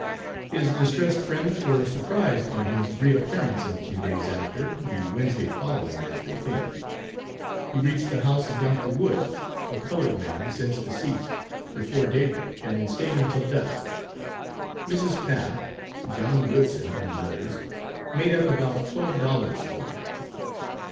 His distressed friends were surprised by his re appearance in a few days after, the Wednesday following, as they think. He reached the house of Dr. Woods, (a colored man since deceased,) before day break, and staid until dusk. Mrs. Path, John Woodson and others made up about twelve dollars for him.